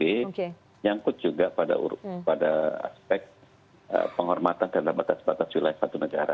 ini nyangkut juga pada aspek penghormatan dan batas batas wilayah satu negara